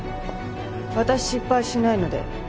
私失敗しないので。